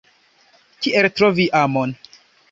Kiel trovi amon?